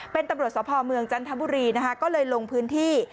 เป็นตำรวจสภเมืองจันทบุรีนะคะก็เลยลงพื้นที่